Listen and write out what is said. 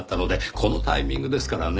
このタイミングですからねぇ。